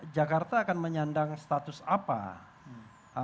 jakarta akan menyandang status apa